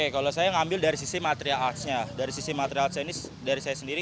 kalau saya ngambil dari sisi material arts nya dari sisi material seni dari saya sendiri